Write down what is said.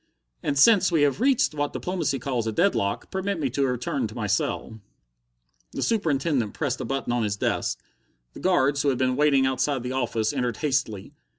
"And, since we have reached what diplomacy calls a deadlock, permit me to return to my cell." The Superintendent pressed a button on his desk; the guards, who had been waiting outside the office, entered hastily.